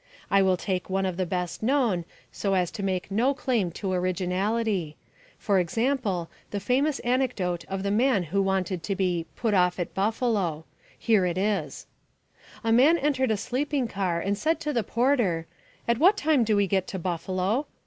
I will take one of the best known, so as to make no claim to originality for example, the famous anecdote of the man who wanted to be "put off at Buffalo." Here it is: A man entered a sleeping car and said to the porter, "At what time do we get to Buffalo?"